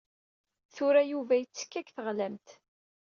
Tura Yuba yettekka deg teɣlamt.